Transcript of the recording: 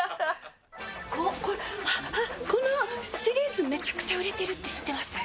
これ、あっ、あっ、このシリーズ、めちゃくちゃ売れてるって知ってます？